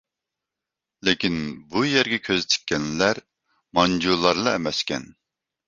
لېكىن بۇ يەرگە كۆز تىككەنلەر مانجۇلارلا ئەمەسكەن.